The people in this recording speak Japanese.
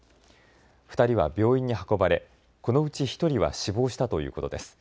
２人は病院に運ばれ、このうち１人は死亡したということです。